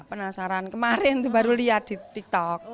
penasaran kemarin tuh baru lihat di tiktok